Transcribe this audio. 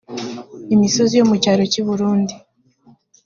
imisozi yo mu cyaro cy i burundi